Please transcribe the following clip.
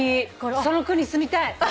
その区に住みたい。